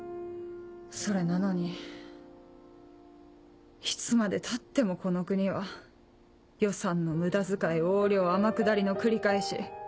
それなのにいつまでたってもこの国は予算の無駄遣い横領天下りの繰り返し。